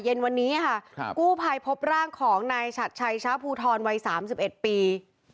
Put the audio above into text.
เย็นวันนี้ค่ะกู้ภัยพบร่างของนายฉัดชัยช้าภูทรวัย๓๑ปี